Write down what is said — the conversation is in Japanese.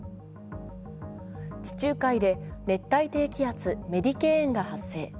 地中海で熱帯低気圧・メディケーンが発生。